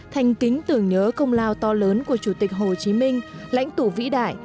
thành kính tưởng nhớ công lao to lớn của chủ tịch hồ chí minh lãnh tụ vĩ đại